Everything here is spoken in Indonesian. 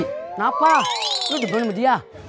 kenapa lu dibangun sama dia